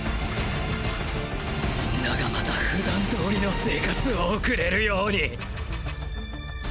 皆がまた普段通りの生活を送れるように